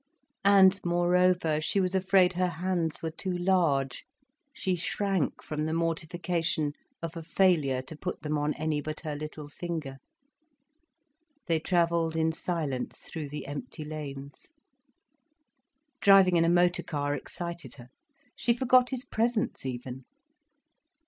And moreover, she was afraid her hands were too large, she shrank from the mortification of a failure to put them on any but her little finger. They travelled in silence through the empty lanes. Driving in a motor car excited her, she forgot his presence even.